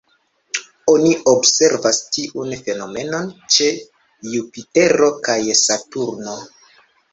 Oni observas tiun fenomenon ĉe Jupitero kaj Saturno.